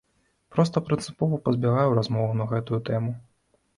Проста прынцыпова пазбягаю размоваў на гэту тэму.